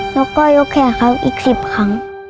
แล้วก็ยกแขนเขาอีก๑๐ครั้ง